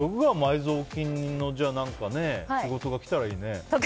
徳川埋蔵金の仕事が来たらいいね。